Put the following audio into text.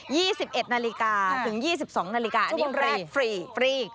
ยี่สิบเอ็ดนาฬิกาถึงยี่สิบสองนาฬิกาชั่วโมงแรกฟรี